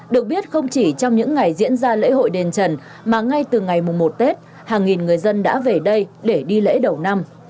được biết không chỉ trong những ngày diễn ra lễ hội đền trần mà ngay từ ngày một tết hàng nghìn người dân đã về đây để đi lễ đầu năm